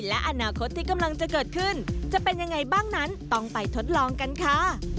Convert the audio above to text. และอนาคตที่กำลังจะเกิดขึ้นจะเป็นยังไงบ้างนั้นต้องไปทดลองกันค่ะ